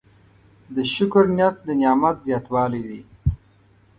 د شکر نیت د نعمت زیاتوالی دی.